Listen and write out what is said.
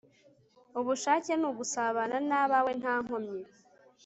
ubushake ni ugusabana n'abawe ntankomyi